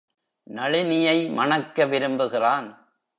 நளினியை மணக்க விரும்புகிறான்.